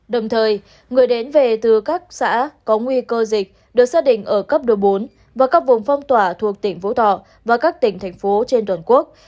đồng thời người đến về từ các xã có nguy cơ dịch được xác định ở cấp độ bốn và các vùng phong tỏa thuộc tỉnh phú thọ và các tỉnh thành phố trên toàn quốc